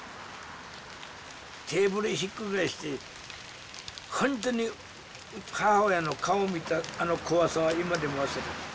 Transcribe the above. テーブルひっくり返してほんとに母親の顔見たあの怖さは今でも忘れない。